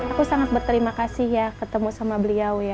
aku sangat berterima kasih ketemu sama beliau